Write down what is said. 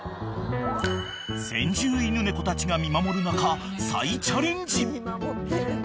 ［先住犬猫たちが見守る中再チャレンジ！］